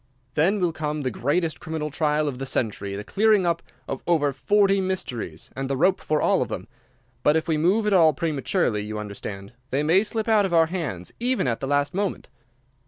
Then will come the greatest criminal trial of the century, the clearing up of over forty mysteries, and the rope for all of them; but if we move at all prematurely, you understand, they may slip out of our hands even at the last moment.